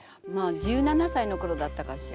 １７さいのころだったかしら。